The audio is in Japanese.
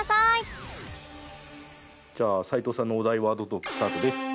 じゃあ齊藤さんのお題ワードトークスタートです。